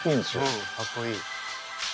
うんかっこいい。